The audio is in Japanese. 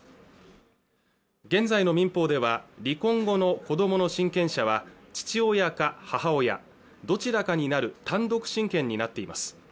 現在の民法では離婚後の子どもの親権者は父親か母親どちらかになる単独親権になっています